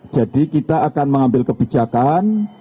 jadi kita akan mengambil kebijakan